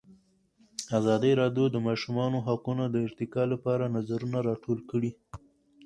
ازادي راډیو د د ماشومانو حقونه د ارتقا لپاره نظرونه راټول کړي.